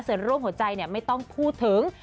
เศร้าร่วมหัวใจเนี่ยไม่ต้องพูดถึง